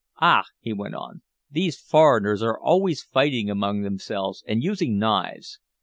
"Ah," he went on, "these foreigners are always fighting among themselves and using knives.